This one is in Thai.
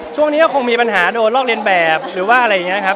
ช่วงนี้ก็คงมีปัญหาโดนลอกเรียนแบบหรือว่าอะไรอย่างนี้ครับ